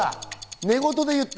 寝言で言った。